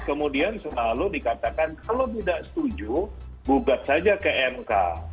kemudian selalu dikatakan kalau tidak setuju bugat saja kmk